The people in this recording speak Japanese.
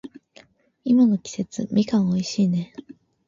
今の季節、みかん美味しいね。